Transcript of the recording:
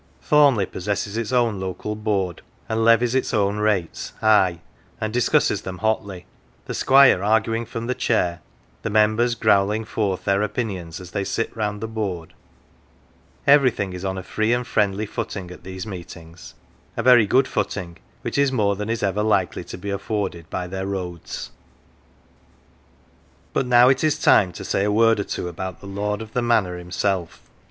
Thornleigh possesses its own Local Board, and levies its own rates, ay, and discusses them hotly the Squire arguing from the chair, the members growling forth their opinions as they sit round the board ; everything is on a free and friendly footing at these meetings a very good footing, which is more than is ever likely to be afforded by their roads. But now it is time to say a word or two about the lord of the manor himself.